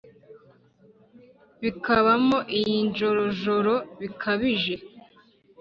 Zikabamo iy'injorojoro bikabije